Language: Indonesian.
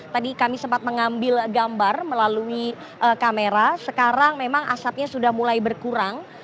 tadi kami sempat mengambil gambar melalui kamera sekarang memang asapnya sudah mulai berkurang